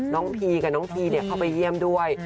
พีกับน้องพีเข้าไปเยี่ยมด้วย